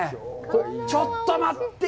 ちょっと待って！